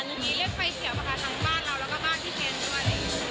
มีเรียกไฟเสียมาทั้งบ้านเราแล้วก็บ้านพี่เคนด้วย